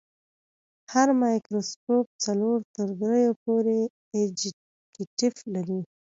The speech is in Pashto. هر مایکروسکوپ څلور تر دریو پورې ابجکتیف لري.